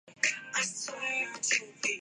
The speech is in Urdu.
اور اپنی پسندیدگی کا اظہار بھی میں نے اس سے